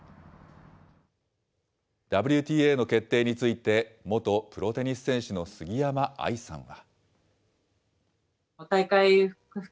ＷＴＡの決定について、元プロテニス選手の杉山愛さんは。